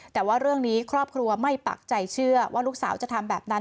แต่ว่าเรื่องนี้ครอบครัวไม่ปักใจเชื่อว่าลูกสาวจะทำแบบนั้น